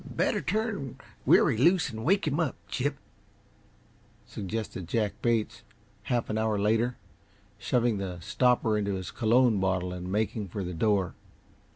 "Better turn Weary loose and wake him up, Chip," suggested Jack Bates, half an hour later, shoving the stopper into his cologne bottle and making for the door.